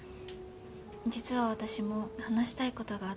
実は私も話したいことがあって。